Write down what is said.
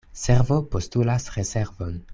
Servo postulas reservon.